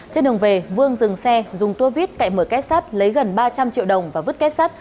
trên đường về vương dừng xe dùng tua vít cậy mở kết sắt lấy gần ba trăm linh triệu đồng và vứt kết sắt